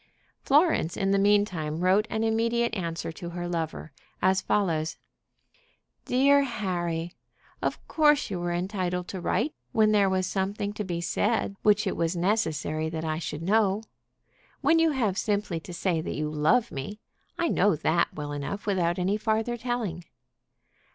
Florence in the mean time wrote an immediate answer to her lover, as follows: "DEAR HARRY, Of course you were entitled to write when there was something to be said which it was necessary that I should know. When you have simply to say that you love me, I know that well enough without any farther telling.